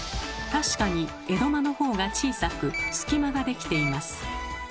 確かに江戸間のほうが小さく隙間ができています。